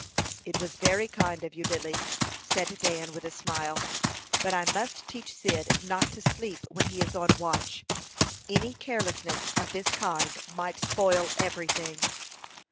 "It was very kind of you, Lily," said Dan with a smile. "But I must teach Cyd not to sleep when he is on watch. Any carelessness of this kind might spoil every thing."